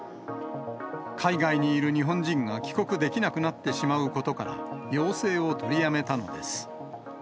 海外にいる日本人が帰国できなくなってしまうことから、要請を取りやめたのです。